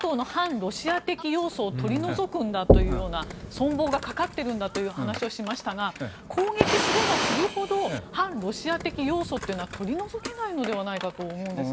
ロシア的要素を取り除くんだというような存亡がかかっているんだという話をしていましたが攻撃すればするほど反ロシア的要素というのは取り除けないのではないかと思うんですが。